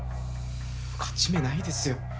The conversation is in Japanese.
勝ち目ないですよ。